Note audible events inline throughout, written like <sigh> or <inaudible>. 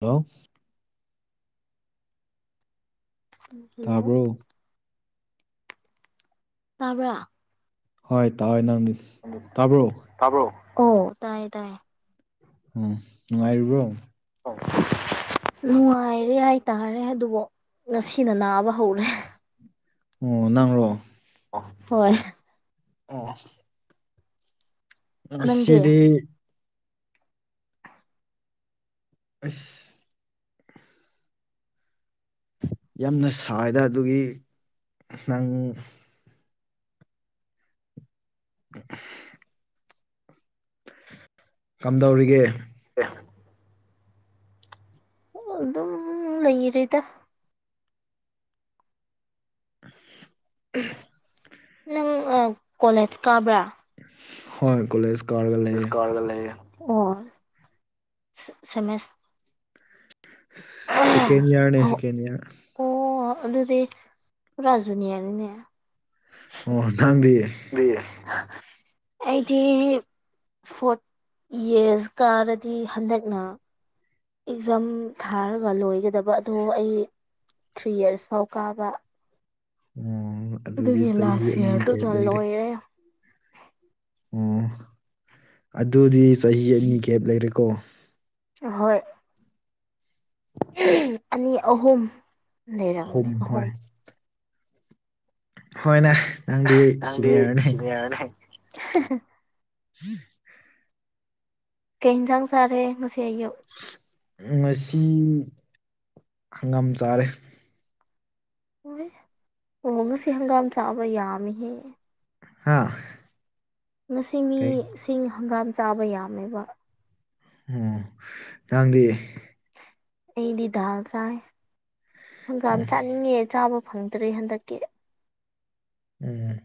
hello hello ꯇꯕ꯭ꯔꯥ ꯍꯣꯏ ꯇꯥꯏꯌꯦ ꯅꯪꯗꯤ ꯑꯣ ꯇꯥꯕ꯭ꯔꯣ ꯑꯧ ꯇꯥꯏꯌꯦ ꯇꯥꯏꯌꯦ ꯎꯝ ꯅꯨꯡꯉꯥꯏꯔꯤꯕ꯭ꯔꯣ ꯅꯨꯡꯉꯥꯏꯔꯤ ꯍꯥꯏꯇꯥꯔꯦ ꯑꯗꯨꯕꯨ ꯉꯁꯤꯅ ꯅꯥꯕ ꯍꯧꯔꯦ ꯑꯣ ꯅꯪꯔꯣ ꯍꯣꯏ ꯑꯣ ꯉꯁꯤꯗꯤ ꯑꯁ ꯌꯥꯝꯅ ꯁꯥꯏꯗ ꯑꯗꯨꯒꯤ ꯅꯪ ꯑ <inaudible> ꯀꯝꯗꯧꯔꯤꯒꯦ ꯑꯦ ꯑꯗꯨꯝ ꯂꯩꯔꯤꯗ ꯎꯝ ꯅꯪ ꯑꯥ ꯀꯣꯂꯦꯖ ꯀꯥꯕ꯭ꯔ ꯍꯣꯏ ꯀꯣꯂꯦꯖ ꯀꯣꯂꯦꯖ ꯀꯥꯔꯒ ꯂꯩꯌꯦ ꯑꯣ ꯁꯦꯃꯦꯁ ꯁꯤ ꯁꯦꯀꯦꯟ ꯌꯤꯌꯔꯅꯦ ꯁꯦꯀꯦꯟ ꯌꯤꯌꯔ ꯑꯣ ꯑꯗꯨꯗꯤ ꯄꯨꯔꯥ ꯖꯨꯅ꯭ꯤꯌꯔꯅꯤꯅꯦ ꯑꯣ ꯅꯪꯗꯤ ꯅꯪꯗꯤ ꯍꯥ ꯑꯩꯗꯤ ꯐꯣꯔꯠ ꯌꯤꯌꯔꯁ ꯀꯥꯔꯗꯤ ꯍꯟꯗꯛꯅ ꯑꯦꯛꯖꯥꯝ ꯊꯥꯔꯒ ꯂꯣꯏꯒꯗꯕ ꯑꯗꯣ ꯑꯩ ꯊ꯭ꯔꯤ ꯌꯤꯌꯔꯁ ꯐꯥꯎ ꯀꯥꯕ ꯑꯣ ꯑꯗꯨꯗꯤ ꯆꯍꯤ ꯑꯅꯤ ꯒꯦꯞ ꯂꯩꯔꯦ ꯑꯣ ꯑꯗꯨꯗꯤ ꯆꯍꯤ ꯑꯅꯤ ꯒꯦꯞ ꯂꯩꯔꯦꯀꯣ ꯑꯍꯣꯏ ꯑꯅꯤ ꯑꯍꯨꯝ ꯂꯩꯔꯝꯅꯤ ꯑꯍꯨꯝ ꯍꯣꯏꯅꯦ ꯅꯪꯗꯤ ꯁꯦꯅ꯭ꯤꯌꯔꯅꯦ ꯌꯥꯔꯦ ꯍꯦꯍꯦ <inaudible> ꯀꯩ ꯍꯤꯟꯖꯥꯡ ꯆꯥꯔꯦ ꯉꯁꯤ ꯑꯌꯨꯛ ꯉꯁꯤ ꯍꯪꯒꯥꯝ ꯆꯥꯔꯦ ꯑꯣꯌꯦ ꯉꯁꯤ ꯍꯪꯒꯥꯝ ꯆꯥꯕ ꯌꯥꯝꯃꯦꯍꯦ ꯍꯥꯥ ꯉꯁꯤ ꯃꯤ ꯁꯤꯡ ꯍꯪꯒꯥꯝ ꯆꯥꯕ ꯌꯥꯝꯃꯦꯕ ꯑꯣ ꯅꯪꯗꯤ ꯑꯩꯗꯤ ꯗꯥꯜ ꯆꯥꯏ ꯍꯪꯒꯥꯝ ꯆꯥꯅꯤꯡꯉꯦ ꯆꯥꯕ ꯐꯪꯗ꯭ꯔꯦ ꯍꯟꯗꯛꯀꯤ ꯎꯝ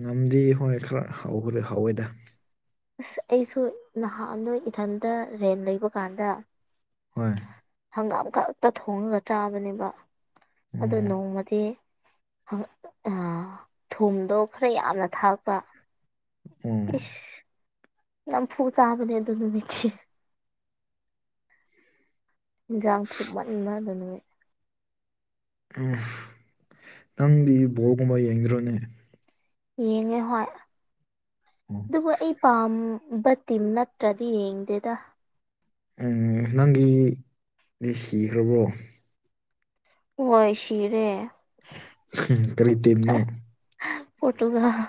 ꯉꯝꯗꯤ ꯍꯣꯏ ꯈꯔ ꯍꯧꯕꯗꯤ ꯍꯧꯋꯦꯗ ꯑꯁ ꯑꯩꯁꯨ ꯅꯍꯥꯟꯗꯣ ꯏꯊꯟꯇ ꯔꯦꯟ ꯂꯩꯕ ꯀꯥꯟꯗ ꯍꯣꯏ ꯍꯪꯒꯥꯝ ꯈꯛꯇ ꯊꯣꯡꯉꯒ ꯆꯥꯕꯅꯦꯕ ꯑꯗꯨ ꯅꯣꯡꯃꯗꯤ ꯑꯑꯥ ꯊꯨꯝꯗꯣ ꯈꯔ ꯌꯥꯝꯅ ꯊꯥꯛꯄ ꯏꯁ ꯅꯝꯐꯨ ꯆꯥꯕꯅꯦ ꯑꯗꯨ ꯅꯨꯃꯤꯠꯇꯤ ꯍꯤꯟꯖꯥꯡ ꯊꯨꯝꯃꯟꯕ ꯑꯗꯨ ꯅꯨꯃꯤꯠ ꯎꯝ ꯅꯪꯗꯤ ꯕꯣꯜꯒꯨꯝꯕ ꯌꯦꯡꯗ꯭ꯔꯣꯅꯦ ꯌꯦꯡꯉꯦ ꯍꯣꯏ ꯗꯨꯕꯨ ꯑꯩ ꯄꯥꯝ ꯕ ꯇꯤꯝ ꯅꯠꯇ꯭ꯔꯗꯤ ꯌꯦꯡꯗꯦꯗ ꯎꯝ ꯅꯪꯒꯤ ꯗꯤ ꯁꯤꯈ꯭ꯔꯕ꯭ꯔꯣ ꯍꯣꯏ ꯁꯤꯔꯦ ꯍꯥ ꯍꯥꯝ ꯀꯔꯤ ꯇꯤꯝꯅꯣ ꯍꯥ ꯄꯣꯔꯇꯨꯒꯥꯜ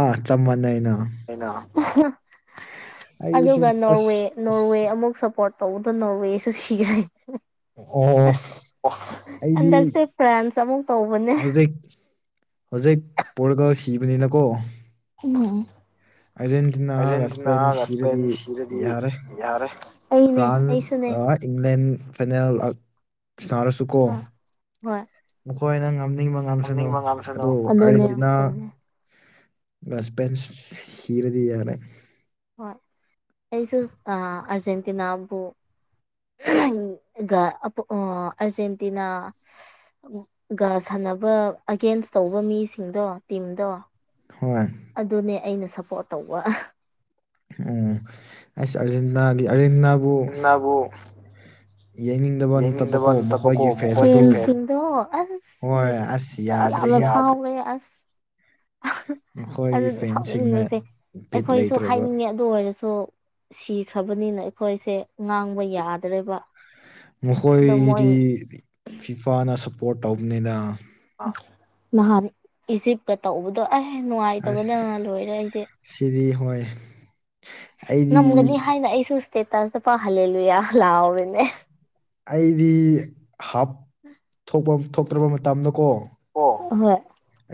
ꯑꯥ ꯆꯞ ꯃꯟꯅꯩꯅ ꯀꯩꯅꯣ ꯑꯍꯥ ꯑꯗꯨꯒ ꯅꯣꯔꯋꯦ ꯅꯣꯔꯋꯦ ꯑꯃꯨꯛ ꯁꯞꯄꯣꯔꯠ ꯇꯧꯕꯗ ꯅꯣꯔꯋꯦꯁꯨ ꯁꯤꯔꯦ ꯑꯣ ꯑꯩꯗꯤ ꯍꯧꯖꯤꯛ ꯍꯧꯖꯤꯛ ꯄꯣꯔꯒꯜ ꯁꯤꯕꯅꯤꯅꯀꯣ ꯎꯝ ꯑꯥꯔꯖꯦꯟꯇꯤꯅꯥꯒ ꯁ꯭ꯄꯦꯟ ꯁꯤꯔꯗꯤ ꯌꯥꯔꯦ ꯐ꯭ꯔꯥꯟꯁ ꯑꯥ ꯏꯪꯪꯂꯦꯟ ꯐꯩꯅꯦꯜ ꯑꯛ ꯁꯟꯅꯥꯔꯁꯨ ꯑꯥ ꯍꯣꯏ ꯃꯈꯣꯏꯅ ꯉꯝꯅꯤꯡꯕ ꯉꯝꯁꯅꯨ ꯑꯗꯨꯕꯨ ꯑꯔꯖꯦꯟꯇꯤꯅꯥ ꯒꯥ ꯁ꯭ꯄꯦꯟ ꯁꯤꯔꯗꯤ ꯌꯥꯔꯦ ꯍꯣꯏ ꯑꯩꯁꯨ ꯑꯥ ꯑꯥꯔꯖꯦꯟꯇꯤꯅꯥꯕꯨ ꯍꯨꯝ ꯒ ꯑꯥ ꯑꯥꯔꯖꯦꯟꯇꯤꯅꯥ ꯒꯥ ꯁꯥꯟꯅꯕ ꯑꯒꯦꯟꯁ ꯇꯧꯕ ꯃꯤꯁꯤꯡꯗꯣ ꯇꯤꯝꯗꯣ ꯍꯣꯏ ꯑꯗꯨꯅꯦ ꯑꯩꯅ ꯁꯞꯄꯣꯔꯠ ꯇꯧꯕ ꯑꯣ ꯑꯁ ꯑꯥꯔꯖꯦꯟꯇꯤꯅꯥꯗꯤ ꯑꯥꯔꯖꯦꯟꯇꯤꯅꯥꯕꯨ ꯌꯥꯡꯅꯤꯡꯗꯕ ꯅꯠꯇꯕ ꯀꯣ ꯈꯣꯏꯒꯤꯀꯩ ꯐꯦꯟꯁ ꯁꯤꯡꯗꯣ ꯑꯁ ꯌꯝꯅ ꯐꯥꯎꯔꯦ ꯑꯁ ꯑꯗꯨꯗꯤ ꯁꯥꯎꯅꯤꯡꯕꯁꯦ ꯑꯩꯈꯣꯏꯖꯨ ꯍꯥꯏꯅꯤꯡꯉꯦ ꯑꯗꯨ ꯑꯣꯏꯔꯁꯨ ꯁꯤꯈ꯭ꯔꯕꯅꯤꯅ ꯑꯩꯈꯣꯏꯁꯦ ꯉꯥꯡꯕ ꯌꯥꯗ꯭ꯔꯦꯕ ꯃꯈꯣꯏꯗꯤ ꯐꯤꯐꯥꯅ ꯁꯞꯄꯣꯔꯠ ꯇꯧꯕꯅꯤꯗ ꯅꯍꯥꯟ ꯏꯖꯤꯞ ꯀꯦ ꯇꯧꯕꯗꯣ ꯑꯦ ꯅꯨꯡꯉꯥꯏꯇꯕꯅ ꯂꯣꯏꯔꯦ ꯑꯩꯗꯤ ꯁꯤꯔꯤ ꯍꯣꯏ ꯉꯝꯒꯅꯤ ꯍꯥꯏꯅ ꯑꯩꯁꯨ ꯏꯁꯇꯦꯇꯁꯇꯄ ꯍꯜꯂꯦꯂꯨꯌꯥ ꯂꯥꯎꯔꯤꯅꯦ ꯑꯩꯗꯤ ꯍꯥꯞ ꯊꯣꯛꯄ ꯊꯣꯛꯇ꯭ꯔꯕ ꯃꯇꯝꯗꯀꯣ ꯀꯣ ꯍꯣꯏ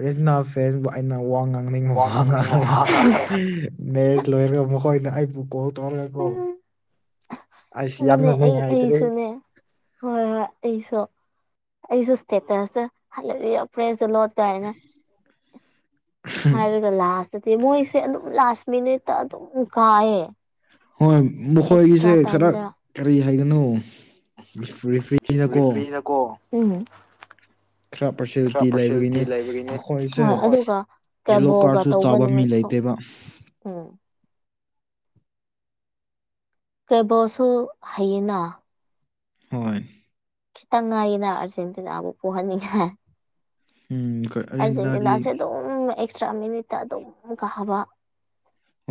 ꯔꯦꯁꯅꯥ ꯐꯦꯁꯕꯨ ꯑꯩꯅ ꯋꯥ ꯉꯥꯡꯅꯤꯡꯕ ꯋꯥ ꯉꯥꯡꯔꯒ ꯃꯦꯖ ꯂꯣꯏꯔꯒ ꯃꯈꯣꯏꯅ ꯑꯩꯕꯨ ꯀꯣꯜ ꯇꯧꯔꯒ ꯀꯣ ꯑꯗꯨꯅꯦ ꯑꯩ ꯑꯩꯁꯨꯅꯦ ꯍꯣꯏ ꯍꯣꯏ ꯑꯩꯁꯨ ꯑꯩꯁꯨ ꯏꯁꯇꯦꯇꯥꯁꯇ ꯍꯜꯂꯦꯂꯨꯏꯌꯥ ꯄ꯭ꯔꯦꯁꯇ ꯂꯣꯠ ꯀꯥꯏꯅ <inaudible> ꯍꯥꯏꯔꯒ ꯂꯥꯁꯇꯗꯤ ꯃꯣꯏꯁꯦ ꯑꯗꯨꯝ ꯂꯥꯁ ꯃꯤꯅꯤꯠꯇ ꯑꯗꯨꯝ ꯀꯥꯏꯌꯦ ꯍꯣꯏ ꯃꯈꯣꯏꯒꯤꯖꯦ ꯈꯔ ꯀꯔꯤ ꯍꯥꯏꯒꯅꯣ ꯔꯤꯐ꯭ꯔꯤꯅꯀꯣ ꯎꯝ ꯈꯔ ꯄꯔꯁꯦꯜꯂꯤꯇꯤ ꯂꯩꯕꯒꯤꯅꯦ ꯍꯣꯏ ꯑꯗꯨꯒ ꯀꯕꯣꯒ ꯇꯧꯕ ꯅꯨꯃꯤꯠꯁꯨ ꯎꯝ ꯀꯦꯕꯣꯁꯨ ꯍꯩꯌꯦꯅꯥ ꯍꯣꯏ ꯈꯤꯇꯪ ꯉꯥꯏꯌꯦꯅ ꯑꯥꯔꯖꯦꯟꯇꯤꯅꯥꯕꯨ ꯄꯣꯍꯟꯅꯤꯡꯉꯥꯏ ꯑꯥꯔꯖꯦꯟꯇꯤꯅꯥꯁꯦ ꯑꯗꯨꯝ ꯑꯦꯛꯁꯇ꯭ꯔꯥ ꯃꯤꯅꯤꯠꯇ ꯑꯗꯨꯝ ꯀꯥꯕ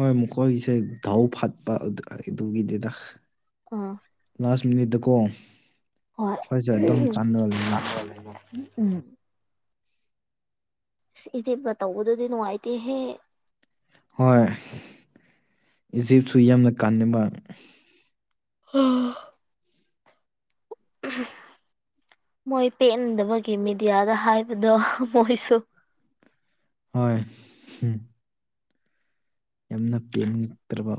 ꯍꯣꯏ ꯃꯈꯣꯏꯒꯤꯁꯦ ꯗꯥꯎ ꯐꯠꯄ ꯑꯗꯨ ꯑꯗꯨꯒꯤꯅꯦꯗ ꯑꯥ ꯂꯥꯁ ꯃꯤꯅꯤꯠꯇꯀꯣ ꯈꯣꯏꯖꯦ ꯑꯗꯨꯝ ꯆꯥꯟꯅꯔ ꯂꯩꯕꯅꯦ ꯏꯁ ꯏꯖꯤꯞꯀ ꯇꯧꯕꯗꯨꯗꯤ ꯅꯨꯡꯉꯥꯏꯇꯦꯍꯦ ꯍꯣꯏ ꯏꯖꯤꯞꯁꯨ ꯌꯥꯝꯅ ꯀꯥꯟꯅꯤꯃ <unintelligible> ꯃꯣꯏ ꯄꯦꯟꯗꯕꯒꯤ ꯃꯦꯗꯤꯌꯥꯗ ꯍꯥꯏꯕꯗꯣ ꯃꯣꯏꯁꯨ ꯍꯣꯏ ꯍꯨꯝ ꯌꯥꯝꯅ ꯄꯦꯟꯇ꯭ꯔꯕ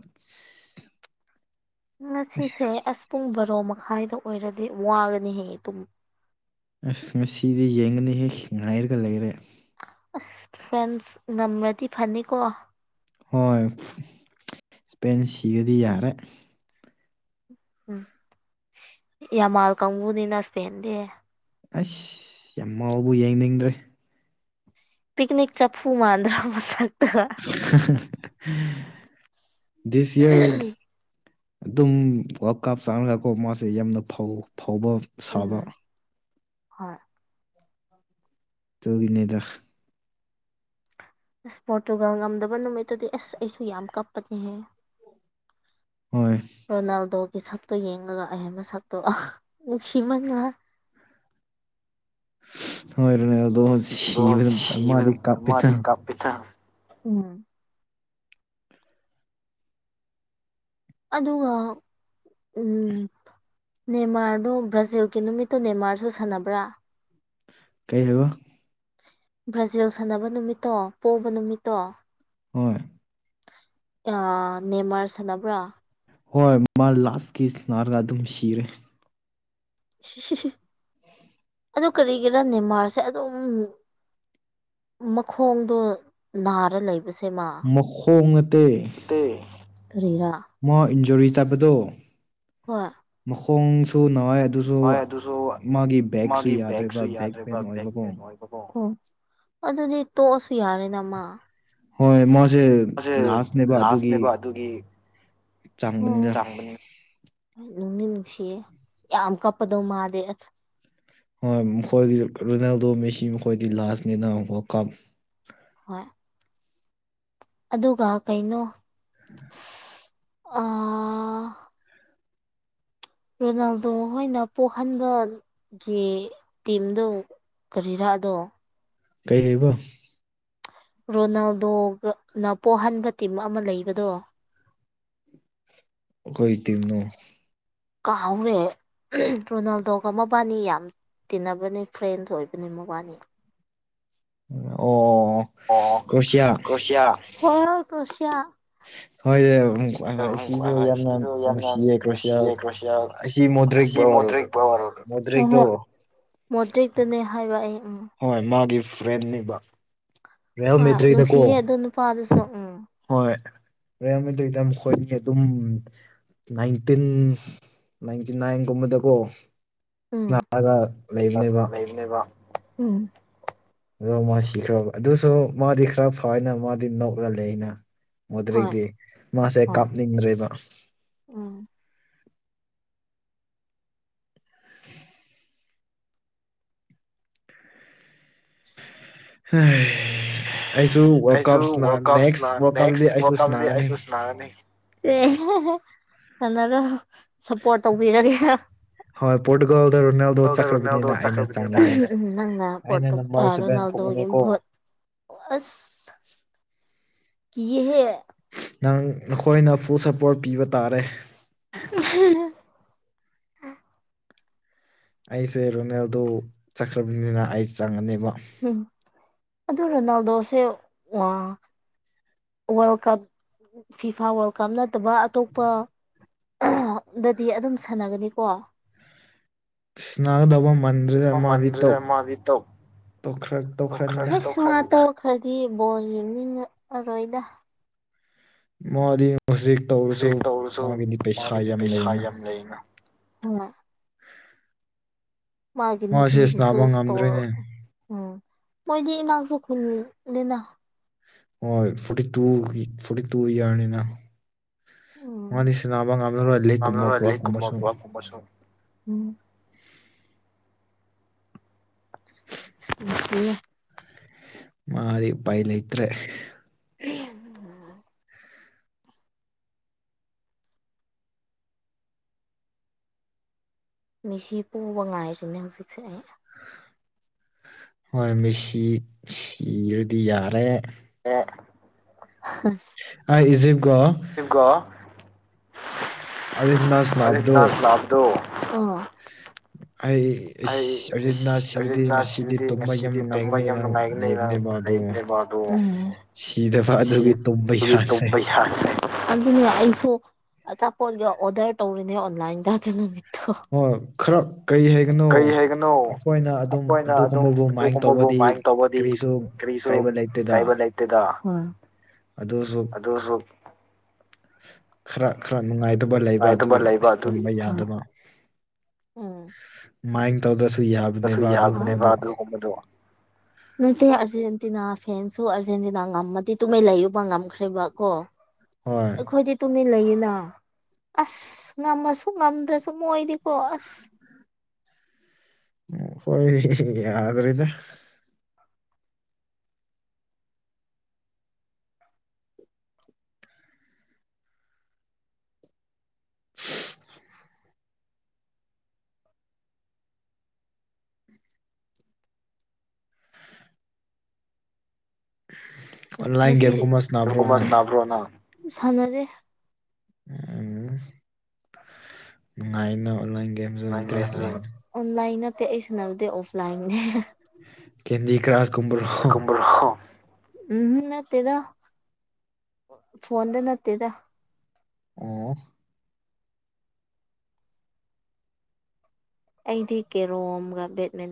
ꯉꯁꯤꯁꯦ ꯑꯁ ꯄꯨꯡ ꯕꯔꯣ ꯃꯈꯥꯏꯗ ꯑꯣꯏꯔꯗꯤ ꯋꯥꯒꯅꯤ ꯍꯦ ꯇꯨꯝ‍ ꯑꯁ ꯉꯁꯤꯗꯤ ꯌꯦꯡꯒꯅꯤꯍꯦ ꯉꯥꯏꯔꯒ ꯂꯩꯔꯦ ꯑꯁ ꯐ꯭ꯔꯦꯟꯁ ꯉꯝꯔꯗꯤ ꯐꯅꯤꯀꯣ ꯍꯣꯏ ꯏꯁꯄꯦꯟ ꯁꯤꯔꯗꯤ ꯌꯥꯔꯦ ꯎꯝ ꯌꯥꯃꯥꯜ ꯀꯥꯡꯕꯨꯅꯤꯅ ꯏꯁꯄꯦꯟꯗꯤ ꯑꯁ ꯌꯥꯝꯃꯥꯥꯎꯕꯨ ꯌꯦꯡꯅꯤꯡꯗ꯭ꯔꯦ ꯄꯤꯛꯀꯅꯤꯛ ꯆꯐꯨ ꯃꯥꯥꯟꯗ꯭ꯔꯣ ꯃꯁꯛꯇꯣ ꯗꯤꯁ ꯏꯌꯥꯔ ꯑꯗꯨꯝ ꯋꯥꯜ ꯀꯥꯞ ꯆꯪꯂꯒꯀꯣ ꯃꯥꯁꯦ ꯌꯥꯝꯅ ꯐꯧ ꯐꯧꯕ ꯎꯝ ꯍꯣꯏ ꯇꯨꯒꯤꯅꯦꯗ ꯑꯁ ꯄꯣꯔꯇꯨꯒꯜ ꯉꯝꯗꯕ ꯅꯨꯃꯤꯠꯇꯗꯤ ꯑꯁ ꯑꯩꯁꯨ ꯌꯥꯝ ꯀꯞꯄꯅꯤꯍꯦ ꯍꯣꯏ ꯔꯣꯅꯥꯜꯗꯣꯒꯤ ꯁꯛꯇꯣ ꯌꯦꯡꯉꯒ ꯑꯍꯦ ꯃꯁꯛꯇꯣ ꯑꯥ ꯅꯨꯡꯁꯤꯃꯟꯕ ꯍꯣꯏ ꯔꯣꯅꯥꯜꯗꯣ ꯁꯤꯕ ꯅꯨꯃꯤꯠꯇ ꯃꯥꯗꯤ ꯀꯞꯄꯤꯅ ꯄꯤꯇꯥ ꯎꯝ ꯑꯗꯨꯒ ꯎꯝ ꯅꯦꯃꯥꯔꯗꯣ ꯕ꯭ꯔꯥꯖꯤꯜꯒꯤ ꯅꯨꯃꯤꯠꯇꯣ ꯅꯦꯃꯥꯔꯁꯨ ꯁꯥꯟꯅꯕ꯭ꯔꯥ ꯀꯩ ꯑꯥꯕ ꯕ꯭ꯔꯥꯖꯤꯜ ꯁꯥꯟꯅꯕ ꯅꯨꯃꯤꯠꯇꯣ ꯄꯣꯕ ꯅꯨꯃꯤꯠꯇꯣ ꯍꯣꯏ ꯑ ꯅꯦꯃꯥꯔ ꯁꯥꯟꯅꯕ꯭ꯔꯥ ꯍꯣꯏ ꯃꯥ ꯂꯥꯁꯀꯤ ꯁꯥꯅꯥꯔꯒ ꯑꯗꯨꯝ ꯁꯤꯔꯦ ꯑꯗꯨ ꯀꯔꯤꯒꯤꯔ ꯅꯦꯃꯥꯔꯁꯦ ꯑꯗꯨꯝ ꯃꯈꯣꯡꯗꯣ ꯅꯥꯔ ꯂꯩꯕꯁꯦ ꯃꯈꯣꯡ ꯅꯠꯇꯦ ꯇꯦ ꯀꯔꯤꯔꯥ ꯃꯥ ꯏꯟꯖꯣꯔꯤ ꯆꯠꯄꯗꯣ ꯍꯣꯏ <unintelligible> ꯈꯣꯡꯁꯨ ꯅꯋꯥꯏ ꯑꯗꯨꯁꯨ ꯃꯥꯒꯤ ꯕꯦꯛꯁꯨ ꯌꯥꯗ꯭ꯔꯦꯕ ꯕꯦꯛ ꯄꯦꯟ ꯑꯣꯏꯕꯀꯣ ꯑꯣ ꯑꯗꯨꯗꯤ ꯇꯣꯛꯑꯁꯨ ꯌꯥꯔꯦꯅ ꯃꯥ ꯍꯣꯏ ꯃꯁꯦ ꯃꯥꯁꯦ ꯂꯥꯁꯅꯦꯕ ꯑꯗꯨꯒꯤ ꯆꯥꯡꯕꯅꯦ ꯅꯨꯡꯗꯤ ꯅꯨꯡꯁꯤꯌꯦ ꯌꯥꯝ ꯀꯞꯄꯗꯣ ꯃꯥꯗꯤ ꯍꯣꯏ ꯃꯈꯣꯏꯒꯤ ꯔꯣꯅꯥꯜꯗꯣ ꯃꯦꯁꯤ ꯃꯈꯣꯏꯗꯤ ꯂꯥꯁꯅꯤꯅ ꯋꯔꯜ ꯀꯞ ꯍꯣꯏ ꯑꯗꯨꯒ ꯀꯩꯅꯣ ꯑꯥ ꯔꯣꯅꯥꯜꯗꯣ ꯍꯣꯏꯅ ꯄꯣꯍꯟꯕꯒꯤ ꯇꯤꯝꯗꯨ ꯀꯔꯤꯔꯥ ꯗꯣ ꯀꯩ ꯍꯥꯏꯕ ꯔꯣꯅꯥꯜꯗꯣꯒꯅ ꯄꯣꯍꯟꯕ ꯇꯤꯝ ꯑꯃ ꯂꯩꯕꯗꯣ ꯑꯈꯣꯏ ꯇꯤꯝꯅꯦ ꯀꯥꯎꯒꯔꯦ ꯔꯣꯅꯥꯜꯗꯣꯒ ꯃꯕꯥꯟꯅꯤ ꯌꯥꯝ ꯇꯤꯟꯅꯕꯅꯦ ꯐ꯭ꯔꯦꯟꯁ ꯑꯣꯏꯕꯅꯤ ꯃꯕꯥꯅꯤ ꯑꯣ ꯑꯣ ꯑꯣ ꯑꯣ ꯔꯨꯁꯤꯌꯥ <unintelligible> ꯔꯨꯁꯤꯌꯥ ꯍꯣꯏ <unintelligible> ꯍꯣꯏ ꯍꯣꯏ ꯁꯤꯗꯨ ꯌꯥꯝꯅ ꯅꯨꯡꯁꯤꯌꯦ ꯔꯨꯁꯤꯌꯥ ꯑꯁꯤ ꯃꯣꯗ꯭ꯔꯤꯛ <unintelligible> ꯃꯣꯗ꯭ꯔꯤꯛꯗꯣ ꯃꯣꯗ꯭ꯔꯤꯛꯇꯨꯅꯦ ꯍꯥꯏꯕ ꯑꯩ ꯎꯝ ꯍꯣꯏ ꯃꯥꯒꯤ ꯐ꯭ꯔꯦꯟꯅꯤꯕ ꯔꯦꯜ ꯃꯣꯇ꯭ꯔꯤꯛꯗꯀꯣ ꯄꯥ ꯗꯨꯁꯨ ꯎꯝ ꯍꯣꯏ ꯔꯦꯜ ꯃꯣꯗ꯭ꯔꯤꯛꯇꯥ ꯃꯈꯣꯏꯅꯤ ꯑꯗꯨꯝ ꯅꯥꯏꯟꯇꯤꯟ ꯅꯥꯏꯟꯇꯤꯅꯥꯏꯟ ꯒꯨꯝꯕꯗꯀꯣ ꯁ꯭ꯅꯥꯔꯒ ꯂꯩꯕꯅꯦꯕ <unintelligible> ꯎꯝ ꯑꯗꯣ ꯃꯥ ꯁꯤꯈ꯭ꯔꯕ ꯑꯗꯨꯁꯨ ꯃꯥꯗꯤ ꯈꯔ ꯐꯩꯅ ꯃꯥꯗꯤ ꯅꯣꯛꯔ ꯂꯩꯅ ꯃꯣꯗ꯭ꯔꯦꯛꯗꯤ ꯃꯥꯁꯦ ꯀꯥꯞꯅꯤꯡꯗ꯭ꯔꯦꯕ ꯑꯥ <unintelligible> ꯍꯦ ꯑꯩꯁꯨ ꯋꯥꯔꯜ ꯀꯞꯁꯅ ꯅꯦꯛꯁ ꯋꯥꯔꯜ ꯀꯞꯗꯤ ꯑꯩꯁꯨ ꯁꯅꯥꯔꯅꯤ ꯅꯥꯔꯅꯤ ꯆꯦ ꯁꯥꯅꯔꯣ ꯁꯞꯄꯣꯔꯠ ꯇꯧꯕꯤꯔꯒꯦ <unintelligible> ꯔꯣꯅꯥꯜꯗꯣ ꯆꯠꯈꯔꯕꯅꯤꯅ ꯍꯝ ꯅꯪꯅ ꯄꯣꯔꯇꯨꯒ ꯑꯥ ꯔꯣꯅꯥꯜꯗꯣꯒꯤ ꯃꯍꯨꯠ ꯑꯣꯑꯁ ꯀꯤꯌꯦꯍꯦ ꯅꯪ ꯑꯈꯣꯏꯅ ꯐꯨꯜ ꯁꯄꯣꯔꯠ ꯄꯤꯕ ꯇꯥꯔꯦ <inaudible> ꯑꯩꯁꯦ ꯔꯣꯅꯦꯜꯗꯣ ꯆꯠꯈ꯭ꯔꯕꯅꯤꯅ ꯑꯩ ꯆꯪꯉꯅꯦꯕ ꯎꯝ ꯑꯗꯨ ꯔꯣꯅꯥꯜꯗꯣꯁꯦ ꯋꯥ world cup FIFA world cup ꯅꯠꯇꯕ ꯑꯇꯣꯞꯄ ꯗꯗꯤ ꯑꯗꯨꯝ ꯁꯥꯟꯅꯒꯅꯤꯀꯣ ꯁꯟꯅꯥꯒꯗꯕ ꯃꯥꯟꯗ꯭ꯔꯦꯗ ꯃꯥꯗꯤ ꯇꯣꯛ ꯇꯣꯛꯈꯔ꯭ꯦ ꯍꯩꯁ ꯃꯥ ꯇꯣꯛꯈꯔ꯭ꯗꯤ ꯕꯣꯜ ꯌꯦꯡꯅꯤꯡꯉꯛ ꯑꯔꯣꯏꯗ ꯃꯥꯗꯤ ꯍꯧꯖꯤꯛ ꯇꯧꯔꯁꯨ ꯃꯥꯒꯤꯗꯤ ꯄꯩꯁꯥ ꯌꯥꯝ ꯂꯩꯅ ꯍꯣꯢ ꯃꯥꯒꯤ ꯅꯨꯄꯤꯒꯤꯁꯨ ꯁ꯭ꯇꯣꯔ ꯎꯝ ꯃꯣꯏꯗꯤ ꯏꯅꯥꯥꯛꯁꯨ ꯈꯨꯜꯂꯤꯅꯥ ꯍꯣꯏ ꯐꯣꯔꯇꯤ ꯇꯨꯒꯤ ꯐꯣꯔꯇꯤ ꯇꯨ ꯌꯔꯅꯤꯅ ꯃꯥꯗꯤ ꯁꯟꯅꯕ ꯉꯝꯂꯔꯣꯢ ꯂꯤꯛ ꯀꯨꯝꯕ ꯀꯂ꯭ꯞ ꯀꯨꯝꯕꯁꯨꯝ ꯕꯁꯨ ꯎꯝ <unintelligible> ꯃꯥꯗꯤ ꯎꯄꯥꯏ ꯂꯩꯇ꯭ꯔꯦ ꯃꯦꯁꯤ ꯄꯣꯕ ꯉꯥꯏꯔꯤꯅꯦ ꯍꯧꯖꯤꯛꯁꯦ ꯑꯩ ꯍꯣꯏ ꯃꯦꯁꯤ ꯁꯤꯔꯗꯤ ꯌꯥꯔꯦ ꯔꯦ ꯍꯥ ꯑꯥ ꯏꯖꯤꯞꯒ ꯖꯤꯞꯒ ꯑꯥꯔꯖꯦꯟꯇꯤꯅꯥ ꯁꯟꯅꯥꯕꯗꯣ ꯑꯥ ꯑꯩ ꯏꯁ ꯑꯔꯖꯦꯟꯇꯤꯅꯥ ꯁꯤꯔꯗꯤ ꯉꯁꯤꯗꯤ ꯇꯨꯝꯕ ꯌꯥꯝ ꯅꯨꯡꯉꯥꯏꯒꯅꯤꯅ ꯂꯩꯕꯅꯦꯕ ꯑꯗꯣ ꯗꯣ ꯁꯤꯕꯒꯤ ꯇꯨꯝꯕ ꯌꯥ ꯑꯗꯨꯅ ꯑꯩꯁꯨ ꯑꯆꯥꯄꯣꯠꯀꯥ ꯑꯣꯗꯔ ꯇꯧꯔꯤꯅꯦ ꯑꯣꯟꯂꯥꯏꯟꯗ ꯑꯗꯨ ꯅꯨꯃꯤꯠꯇꯣ ꯍꯣꯏ ꯈꯔ ꯀꯩ ꯍꯥꯏꯒꯅꯣ ꯑꯩꯈꯣꯏꯅ ꯑꯗꯨꯝ ꯑꯗꯨꯒꯨꯝꯕꯕꯨ ꯃꯥꯏꯟ ꯇꯧꯕꯗꯤ ꯀꯔꯤꯁꯨ ꯀꯥꯢꯕ ꯂꯩꯇꯦꯗ ꯇꯦꯗꯥ ꯍꯣꯢ ꯑꯗꯨꯁꯨ ꯈꯔ ꯈꯔ ꯅꯨꯡꯉꯥꯏꯗꯕ ꯂꯩꯕ ꯑꯗꯨꯒꯤ ꯑꯁ ꯇꯨꯝꯕ ꯌꯥꯗꯕ ꯃꯥꯏꯟ ꯇꯧꯗ꯭ꯔꯁꯨ ꯌꯥꯞ ꯗꯁꯨ ꯌꯥꯕꯅꯦꯕꯥ ꯑꯗꯨꯒꯨꯝꯕꯗꯨ ꯅꯠꯇꯦ ꯑꯥꯔꯖꯦꯟꯇꯤꯅꯥ ꯐꯦꯟꯁꯨ ꯑꯥꯔꯖꯦꯟꯇꯤꯅꯥ ꯉꯝꯃꯗꯤ ꯇꯨꯃꯤꯟ ꯂꯩꯌꯨꯕ ꯉꯝꯈ꯭ꯔꯦꯕ ꯀꯣ ꯑꯩꯈꯣꯏꯗꯤ ꯇꯨꯃꯤꯟ ꯂꯩꯌꯦꯅ ꯑꯁ ꯉꯝꯃꯁꯨ ꯉꯝꯗ꯭ꯔꯁꯨ ꯃꯣꯏꯗꯤꯀꯣ ꯑꯁ ꯃꯈꯣꯢ ꯌꯥꯗ꯭ꯔꯦꯗ ꯉꯁꯤ <unintelligible> ꯒꯨꯝꯕ ꯁꯟꯅꯥꯕꯔꯣ ꯅꯡ ꯁꯥꯟꯅꯗꯦ ꯎꯝ ꯅꯨꯡꯉꯥꯏꯌꯦꯅꯣ ꯅꯡ ꯒꯦꯝ ꯑꯣꯟꯔꯥꯢꯟ ꯒꯦꯝꯖꯨ ꯍꯩꯅꯤ ꯑꯣꯟꯂꯥꯏꯟ ꯅꯠꯇꯦ ꯑꯩ ꯁꯥꯅꯕꯗꯤ ꯑꯣꯐꯂꯥꯏꯟꯅꯦ ꯑꯣ ꯀꯨꯝꯕꯔꯣ ꯍꯣ ꯎꯝꯍꯨꯝ ꯅꯠꯇꯦꯗ ꯐꯣꯟꯗ ꯅꯠꯇꯦꯗ ꯑꯣ ꯑꯩꯗꯤ ꯀꯦꯔꯣꯝꯒ ꯕꯦꯠꯃꯤꯟ__